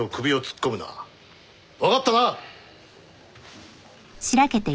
わかったな？